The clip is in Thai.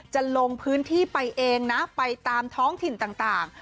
จะลงพื้นที่ไปเองนะไปตามท้องถิ่นต่าง